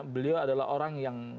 beliau adalah orang yang